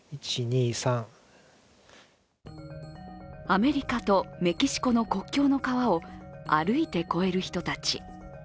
アメリカとメキシコの国境の川を歩いて越える人たち。